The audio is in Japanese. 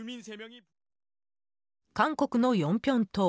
韓国のヨンピョン島。